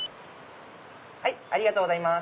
ありがとうございます。